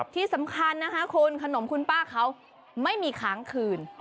ที่สำคัญนะคะคุณขนมคุณป้าเขาไม่มีค้างคืน